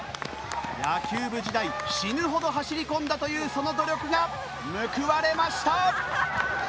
野球部時代死ぬほど走り込んだというその努力が報われました！